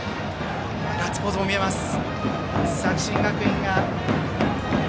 ガッツポーズも見えました。